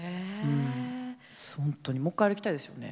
もう一回歩きたいですよね。